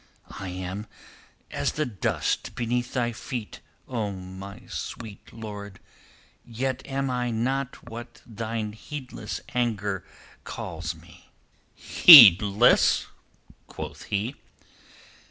"I am as the dust beneath thy feet, O my sweet lord, yet am I not what thine heedless anger calls me." "Heedless?" quoth he.